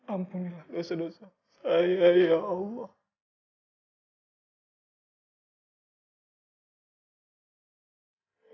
ampunilah dosa dosa saya ya allah